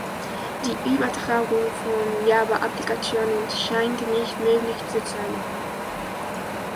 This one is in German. Die Übertragung von Java-Applikationen scheint nicht möglich zu sein.